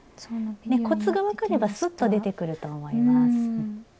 コツが分かればすっと出てくると思います。